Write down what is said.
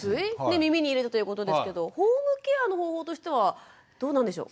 耳に入れたということですけどホームケアの方法としてはどうなんでしょう？